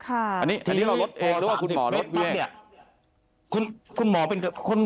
อันนี้เราลดเองหรือว่าคุณหมอลดด้วยเนี่ย